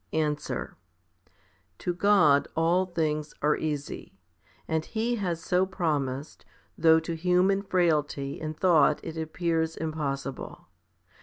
Answer. To God all things are easy; and He has so promised, though to human frailty and thought it appears impossible.